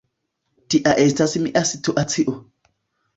Tia estas mia situacio.